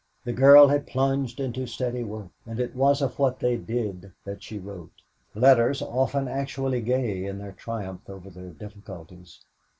The girl had plunged into steady work, and it was of what they did that she wrote letters often actually gay in their triumph over their difficulties.